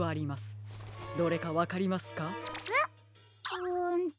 うんと。